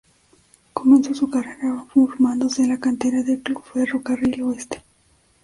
Comenzó su carrera formándose en la cantera del Club Ferro Carril Oeste.